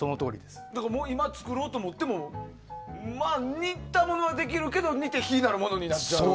今作ろうと思ってもまあ、似たものはできるけど似て非なるものになると。